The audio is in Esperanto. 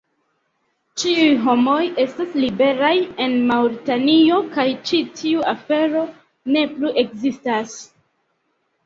Ĉiuj homoj estas liberaj en Maŭritanio kaj ĉi tiu afero ne plu ekzistas.